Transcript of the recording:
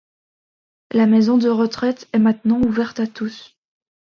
La maison de retraite est maintenant ouverte à tous.